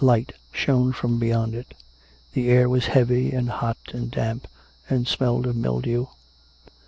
light shone from beyond it. The air was heavy and hot and damp, and smelled of mildew.